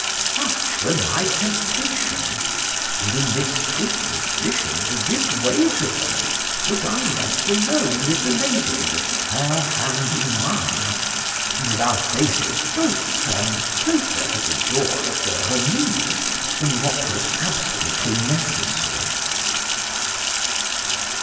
Such were my temptations;—and in this disposition to give way to them, was I left alone with the lady with her hand in mine, and with our faces both turned closer to the door of the Remise than what was absolutely necessary.